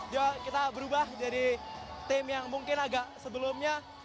jadi kita berubah menjadi tim yang mungkin agak sebelumnya